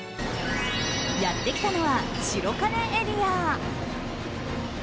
やってきたのは白金エリア。